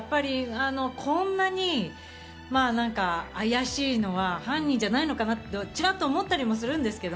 こんなにあやしいのは犯人じゃないのかなって、チラっと思ったりもするんですけど。